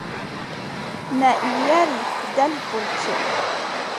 Naʼi nyaari ɗali kolce.